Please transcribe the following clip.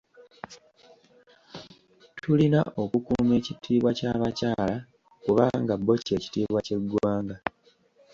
Tulina okukuuma ekitiibwa ky’abakyala kubanga bo kye kitiibwa ky’eggwanga.